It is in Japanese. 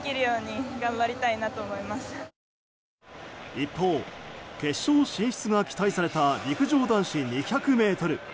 一方、決勝進出が期待された陸上男子２００ｍ。